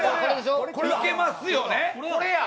いけますよね？